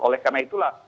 oleh karena itulah